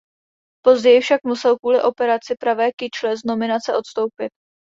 Později však musel kvůli operaci pravé kyčle z nominace odstoupit.